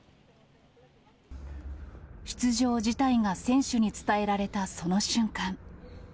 出場辞退が選手に伝えられたその瞬間。